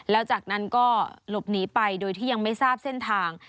แล้วจากนั้นก็หลบหนีไปโดยที่ยังไม่ทราบเส้นทาง